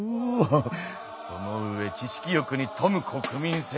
その上知識欲に富む国民性だと。